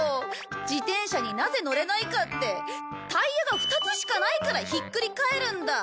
自転車になぜ乗れないかってタイヤが２つしかないからひっくり返るんだ！